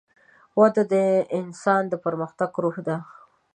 وده د انسان د پرمختګ روح ده.